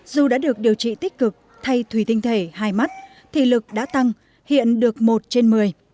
dù đã được điều trị tích cực thay thủy tinh thể hai mắt thì lực đã tăng hiện được một trên một mươi